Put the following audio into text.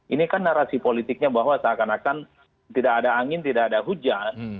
ini kan narasi politiknya bahwa seakan akan tidak ada angin tidak ada hujan